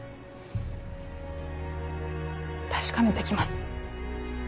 確かめてきます